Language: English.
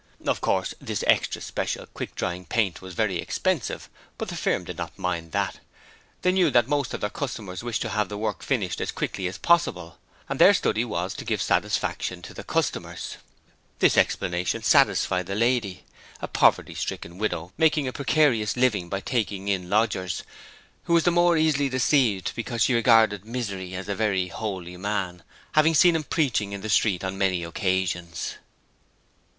Of course, this extra special quick drying paint was very expensive, but the firm did not mind that. They knew that most of their customers wished to have their work finished as quickly as possible, and their study was to give satisfaction to the customers. This explanation satisfied the lady a poverty stricken widow making a precarious living by taking in lodgers who was the more easily deceived because she regarded Misery as a very holy man, having seen him preaching in the street on many occasions.